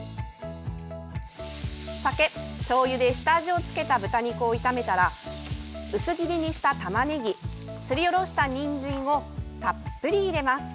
酒、しょうゆで下味を付けた豚肉を炒めたら薄切りにしたたまねぎすりおろしたにんじんをたっぷり入れます。